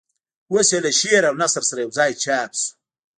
اوس یې له شعر او نثر سره یوځای چاپ شو.